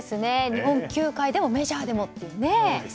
日本球界でもメジャーでもという。